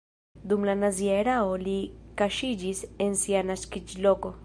Dum la nazia erao li kaŝiĝis en sia naskiĝloko.